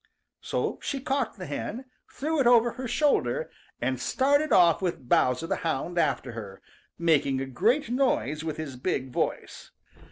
So she caught the hen, threw it over her shoulder, and started off with Bowser the Hound after her, making a great noise with his big voice.